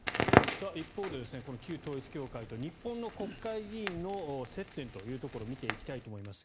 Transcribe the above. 一方で旧統一教会と日本の国会議員の接点というところを見ていきたいと思います。